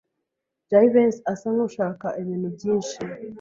Jivency asa nkushaka ibintu byinshi.